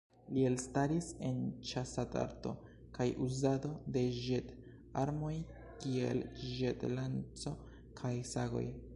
Li elstaris en ĉasad-arto kaj uzado de ĵet-armoj, kiel ĵet-lanco kaj sagoj.